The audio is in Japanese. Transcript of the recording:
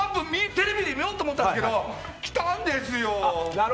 テレビで見ようと思ったけど来たんですよ。